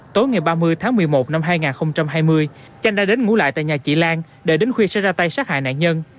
tối ngày ba mươi tháng một mươi một năm hai nghìn hai mươi chanh đã đến ngủ lại tại nhà chị lan để đến khuya sẽ ra tay sát hại nạn nhân